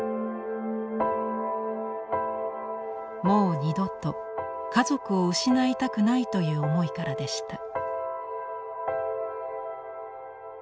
もう二度と家族を失いたくないという思いからでした。